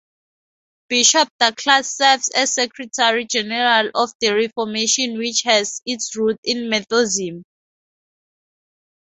Bishop Douglass serves as Secretary-General of that Reformation which has its roots in Methodism.